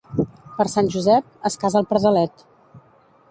Per Sant Josep es casa el pardalet.